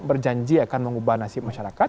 berjanji akan mengubah nasib masyarakat